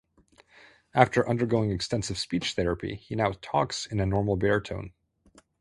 After undergoing extensive speech therapy, he now talks in a normal baritone.